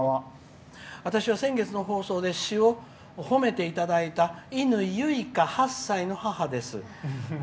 私は先月の放送で詩を褒めていただいたいぬいゆいか、８歳の母です。